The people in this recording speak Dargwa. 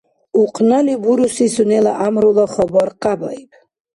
Ухънали буруси сунела гӀямрула хабар къябаиб.